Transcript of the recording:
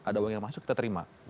ada uang yang masuk kita terima